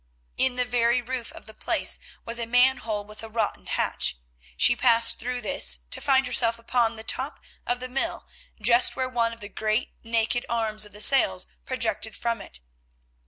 In the very roof of the place was a manhole with a rotten hatch. She passed through this, to find herself upon the top of the mill just where one of the great naked arms of the sails projected from it.